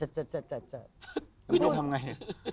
พี่ทำยังไง